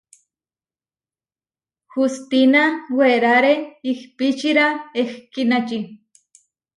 Hustína weráre ihpičira ehkínači.